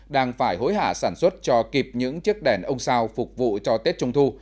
đang phải hối hả sản xuất cho kịp những chiếc đèn ông sao phục vụ cho tết trung thu